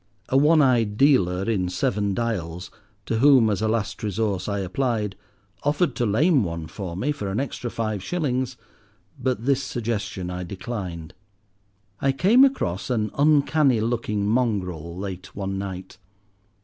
A one eyed dealer in Seven Dials, to whom, as a last resource, I applied, offered to lame one for me for an extra five shillings, but this suggestion I declined. I came across an uncanny looking mongrel late one night.